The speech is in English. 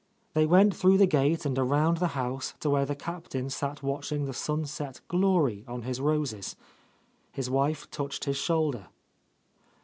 They went through the gate and around the house to where the Captain sat watching the sunset glory on his roses. His wife touched his shoulder.